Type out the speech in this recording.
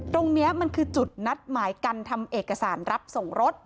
ตรงนี้มันคือจุดนัดหมายการทำเอกสารรับส่งรถ